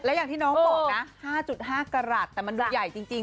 อย่างที่น้องบอกนะ๕๕กรัฐแต่มันดูใหญ่จริง